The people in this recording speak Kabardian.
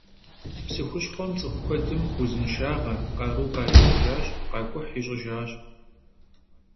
Psı xuşxhuem ts'ıxu kuedım vuzınşşağe, kharu kharitıjjaş, khak'uh yiş'ıjjaş.